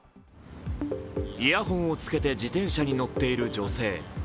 イヤホンをつけて自転車に乗っている女性。